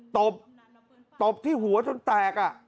ตบตบที่หัวจนแตก